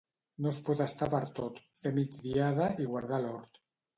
No es pot estar per tot, fer migdiada i guardar l'hort.